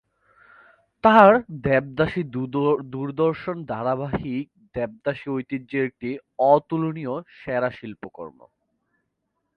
তাঁর 'দেবদাসী' দূরদর্শন ধারাবাহিক দেবদাসী ঐতিহ্যের একটা অতুলনীয় সেরা শিল্পকর্ম।